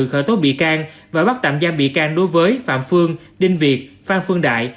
khởi tố bị can và bắt tạm giam bị can đối với phạm phương đinh việt phan phương đại